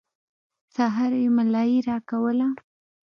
سهار يې ملايي راکوله.